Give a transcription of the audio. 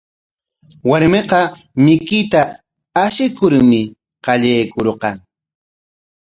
Warmiqa mikuyta ashikurmi qallaykurqan.